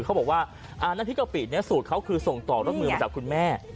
เขาบอกว่าน้ำพริกกะปินี้สูตรเขาคือส่งต่อรสมือมาจากคุณแม่